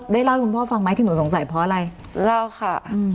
ได้เล่าให้คุณพ่อฟังไหมที่หนูสงสัยเพราะอะไร